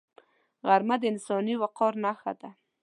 غرمه د انساني وقار نښه ده